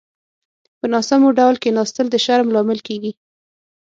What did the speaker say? په ناسمو ډول کيناستل د شرم لامل کېږي.